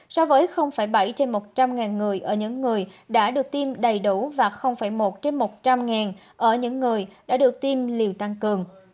so với bảy trên một trăm linh người ở những người đã được tiêm đầy đủ và một trên một trăm linh ngàn ở những người đã được tiêm liều tăng cường